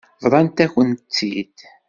Bḍant-akent-tt-id.